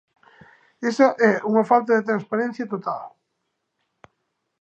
Esa é unha falta de transparencia total.